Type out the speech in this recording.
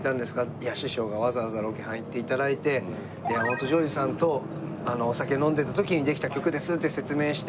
いや師匠がわざわざロケハン行って頂いて山本譲二さんとお酒飲んでた時にできた曲ですって説明して。